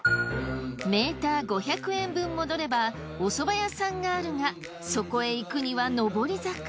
メーター５００円分戻ればお蕎麦屋さんがあるがそこへ行くには上り坂。